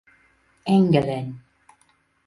Engelen.